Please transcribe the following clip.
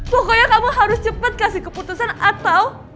pokoknya kamu harus cepat kasih keputusan atau